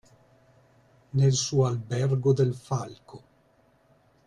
Nel suo Albergo del Falco.